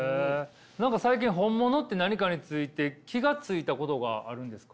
何か最近本物って何かについて気が付いたことがあるんですか？